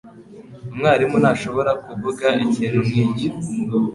Umwarimu ntashobora kuvuga ikintu nkicyo.